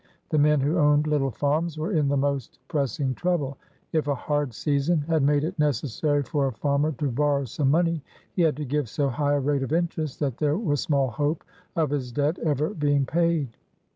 The men who owned little farms were in the most press ing trouble. If a hard season had made it necessary for a farmer to borrow some money, he had to give so high a rate of interest that there was small hope of his debt ever being paid.